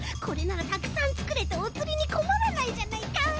これならたくさんつくれておつりにこまらないじゃないか。